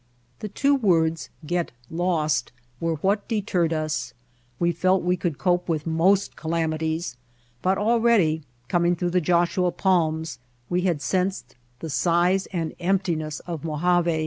The two words "get lost" were what deterred us. We felt we could cope with most calamities, but already, coming through the Joshua palms, we had sensed the size and emptiness of Mojave.